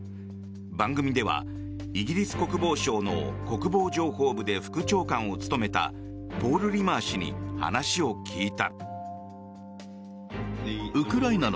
番組ではイギリス国防省の国防情報部で副長官を務めたポール・リマー氏に話を聞いた。